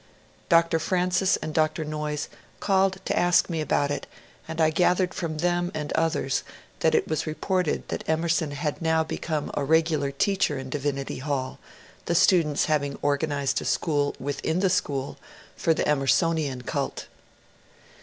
Dr. Francis and Dr. Noyes called to ask me about it, and I gathered from them and others that it was reported that Emerson had now become a regpiilar teacher in Divinity Hall, the students hav ing organized a school within the school for the ^' Emerso nian " cult.